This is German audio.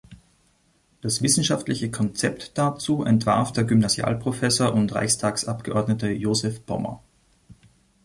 Das wissenschaftliche Konzept dazu entwarf der Gymnasialprofessor und Reichstagsabgeordnete Josef Pommer.